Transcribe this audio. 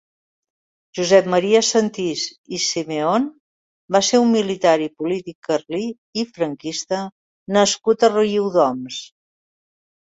Josep Maria Sentís i Simeón va ser un militar i polític carlí i franquista nascut a Riudoms.